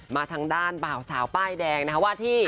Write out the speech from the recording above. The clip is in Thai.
มาทางด้านบ่าวสาวป้ายแดงวาดที่